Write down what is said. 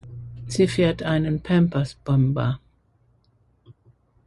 Sie fährt einen Pampersbomber.